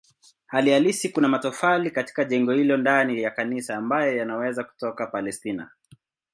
Hali halisi kuna matofali katika jengo hilo ndani ya kanisa ambayo yanaweza kutoka Palestina.